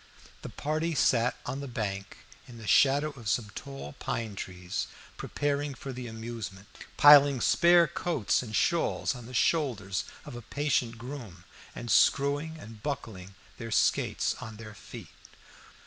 The party sat on the bank in the shadow of some tall pine trees, preparing for the amusement, piling spare coats and shawls on the shoulders of a patient groom, and screwing and buckling their skates on their feet.